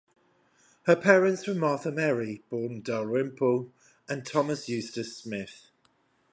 Her parents were Martha Mary (born Dalrymple) and Thomas Eustace Smith.